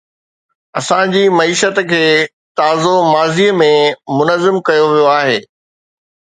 اسان جي معيشت کي تازو ماضي ۾ منظم ڪيو ويو آهي.